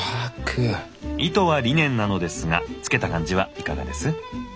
糸はリネンなのですが着けた感じはいかがです？